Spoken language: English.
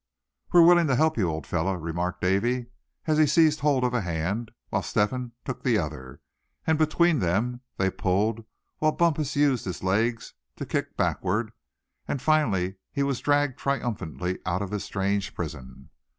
"We're willing to help you, old fellow," remarked Davy, as he seized hold of a hand; while Step hen took the other; and between them they pulled, while Bumpus used his legs to kick backward; and finally he was dragged triumphantly out of his strange prison.